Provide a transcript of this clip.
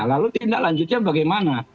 lalu tindak lanjutnya bagaimana